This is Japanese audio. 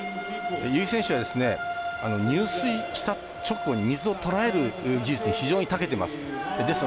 由井選手は入水した直後に水をとらえる技術に非常にたけています。